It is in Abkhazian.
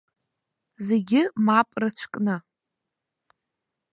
Зегьы мап рыцәкны.